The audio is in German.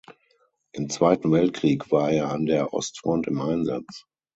Im Zweiten Weltkrieg war er an der Ostfront im Einsatz.